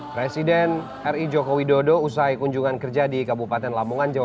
presiden ri joko widodo usai kunjungan kerja di kabupaten lamongan jawa